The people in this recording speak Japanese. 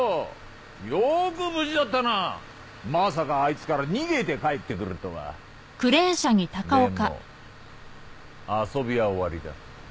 よく無事だったなまさかあいつから逃げて帰ってくるとはでも遊びは終わりだ